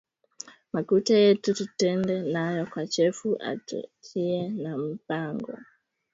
Makuta yetu tutenda nayo kwa chefu atu kachiye ma mpango